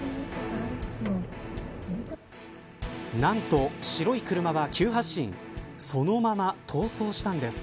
なんと、白い車は急発進そのまま逃走したんです。